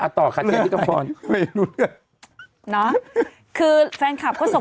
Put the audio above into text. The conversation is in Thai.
ไปอ่ะต่อค่ะเชียร์ที่ขำพรเรียนรู้ด้วยเนอะคือแฟนคลับก็ส่ง